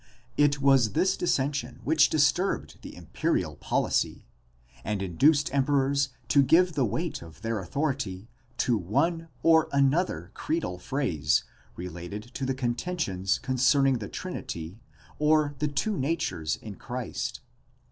It was this dissension which disturbed the imperial policy and induced emperors to give the weight of their authority to one or another creedal phrase related to the contentions concerning the Trinity or the two natures in Christ.